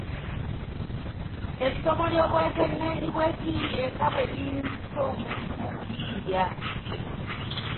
Essomo ly’obwekenneenyi bw’ekiyiiye nga bwe liyinzisa omuntu mu buyiiya.